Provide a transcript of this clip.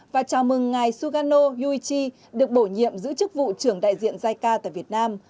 và chào mừng ngài sugano yuichi được bổ nhiệm giữ chức vụ trưởng đại diện jica tại việt nam